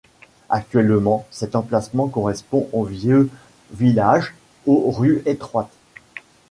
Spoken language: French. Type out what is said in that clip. Actuellement, cet emplacement correspond au vieux village aux rues étroites.